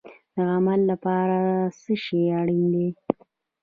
د عمل لپاره څه شی اړین دی؟